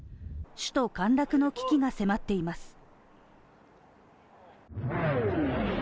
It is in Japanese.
首都陥落の危機が迫っています。